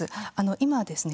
今ですね